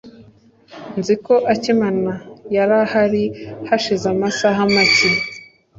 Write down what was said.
Nzi ko akimana yari ahari hashize amasaha make.